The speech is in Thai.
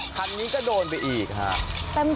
คันนี้ก็โดนไปอีกค่ะ